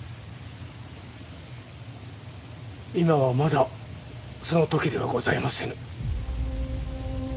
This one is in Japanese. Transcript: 今はまだその時ではございませぬ。